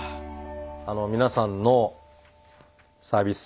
あの皆さんのサービス